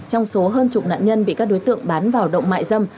trong số hơn chục nạn nhân bị các đối tượng bán vào động mại dâm